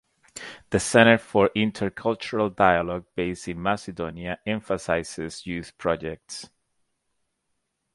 The Center for Intercultural Dialogue based in Macedonia emphasizes youth projects.